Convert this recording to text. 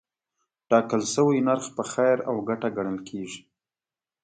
ټاکل شوی نرخ په خیر او ګټه ګڼل کېږي.